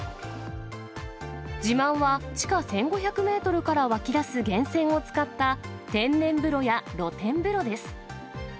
自慢は、地下１５００メートルから湧き出す源泉を使った天然風呂や露天風呂です。